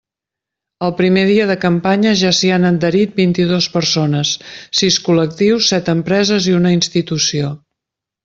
El primer dia de campanya ja s'hi han adherit vint-i-dos persones, sis col·lectius, set empreses i una institució.